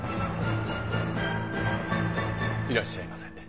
いらっしゃいませ。